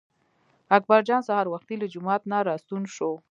اکبر جان سهار وختي له جومات نه راستون شو.